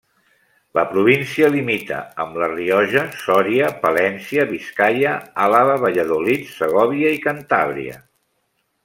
La província limita amb La Rioja, Sòria, Palència, Biscaia, Àlaba, Valladolid, Segòvia i Cantàbria.